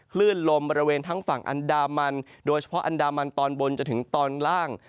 คลื่นลมบริเวณทั้งฝั่งอันดามันโดยเฉพาะอันดามันตอนบนจนถึงตอนล่าง